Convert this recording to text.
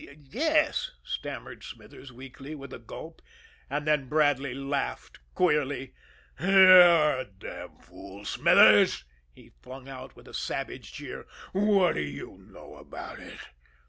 "Y yes," stammered Smithers weakly, with a gulp. And then Bradley laughed queerly. "You're a damn fool, Smithers!" he flung out, with a savage jeer. "What do you know about it!"